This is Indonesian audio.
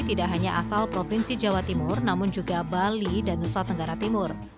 tidak hanya asal provinsi jawa timur namun juga bali dan nusa tenggara timur